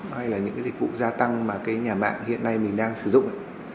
hay là những cái dịch vụ gia tăng mà cái nhà mạng hiện nay mình đang sử dụng ấy